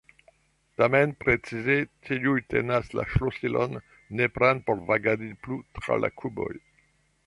Tamen precize tiuj tenas la ŝlosilon nepran por vagadi plu tra la kuboj.